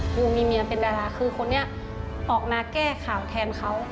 งูมีเมียเป็นดาราคือคนนี้ออกมาแก้ข่าวแทนเขา